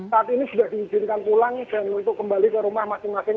saat ini sudah diizinkan pulang dan untuk kembali ke rumah masing masing